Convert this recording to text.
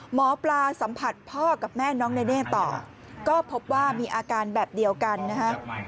หมอปลาสัมผัสพ่อกับแม่น้องเนเน่ต่อก็พบว่ามีอาการแบบเดียวกันนะฮะ